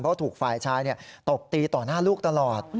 เพราะถูกฝ่ายชายตบตีต่อหน้าลูกตลอด